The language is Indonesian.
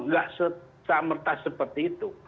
tidak sama sama seperti itu